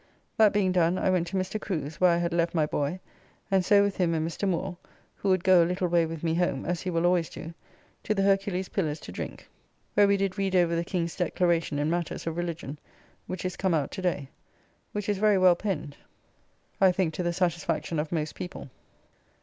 That being done, I went to Mr. Crew's, where I had left my boy, and so with him and Mr. Moore (who would go a little way with me home, as he will always do) to the Hercules Pillars to drink, where we did read over the King's declaration in matters of religion, which is come out to day, which is very well penned, I think to the satisfaction of most people.